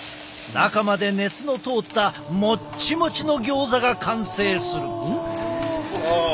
中まで熱の通ったもっちもちのギョーザが完成する。